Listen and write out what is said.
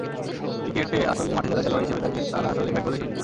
ক্রিকেটে আসলে মাঠে যারা খেলোয়াড় হিসেবে থাকে, তারা আসলে ব্যাট-বলের সৈনিক।